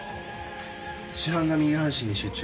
死斑が右半身に集中。